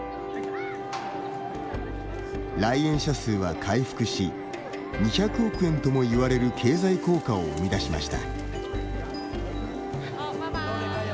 来園者数は回復し２００億円ともいわれる経済効果を生み出しました。